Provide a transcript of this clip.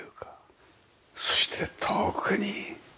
そして遠くに海。